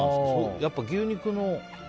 やっぱり牛肉の。